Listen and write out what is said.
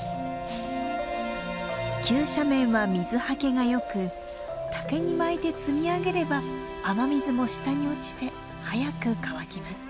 急斜面は水はけがよく竹に巻いて積み上げれば雨水も下に落ちて早く乾きます。